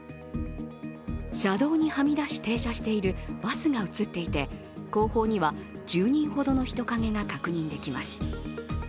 車道にはみ出し停車しているバスが映っていて後方には１０人ほどの人影が確認できます。